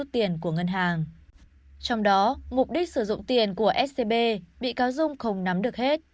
trong đó mục đích sử dụng tiền của scb bị cáo dung không nắm được hết